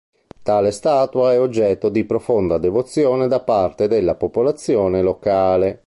Tale statua è oggetto di profonda devozione da parte della popolazione locale.